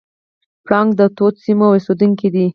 پړانګ د تودو سیمو اوسېدونکی دی.